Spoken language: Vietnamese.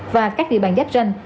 và các địa bàn giáp ranh